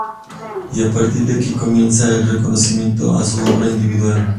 Y a partir de aquí comienza el reconocimiento a su obra individual.